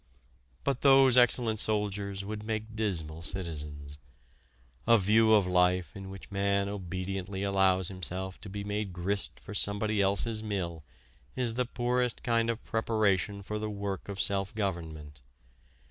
But those excellent soldiers would make dismal citizens. A view of life in which man obediently allows himself to be made grist for somebody else's mill is the poorest kind of preparation for the work of self government.